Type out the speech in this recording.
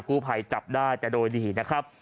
กู้ภัยจับได้แต่โดยดีนะครับ